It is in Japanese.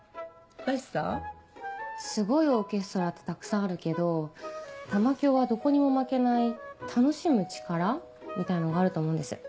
すごいオーケストラってたくさんあるけど玉響はどこにも負けない楽しむ力？みたいのがあると思うんです。